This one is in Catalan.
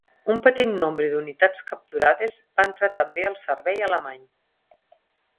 Un petit nombre d"unitats capturades va entrar també al servei alemany.